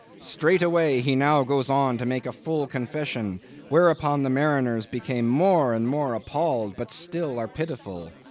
_ Straightway, he now goes on to make a full confession; whereupon the mariners became more and more appalled, but still are pitiful.